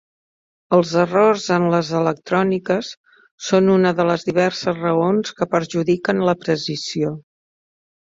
Els errors en les electròniques són una de les diverses raons que perjudiquen la precisió.